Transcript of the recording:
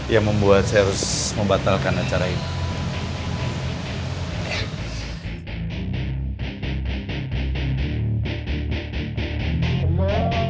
yang membuat saya harus membatalkan acara itu